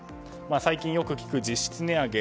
最近よく聞く実質値上げ。